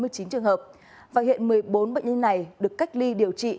trong một trăm sáu mươi chín trường hợp và hiện một mươi bốn bệnh nhân này được cách ly điều trị